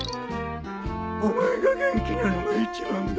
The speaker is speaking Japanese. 「お前が元気なのが一番だ。